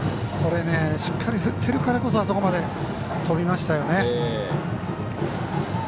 しっかり振ってるからこそあそこまで飛びましたよね。